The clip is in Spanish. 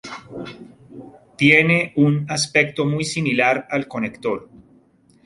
Tiene un aspecto muy similar al conector.